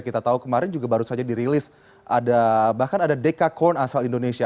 kita tahu kemarin juga baru saja dirilis bahkan ada dekakorn asal indonesia